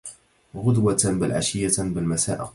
غُدوةً بل عَشيَّةً بل مساءَ